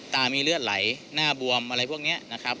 ตามีเลือดไหลหน้าบวมอะไรพวกนี้นะครับ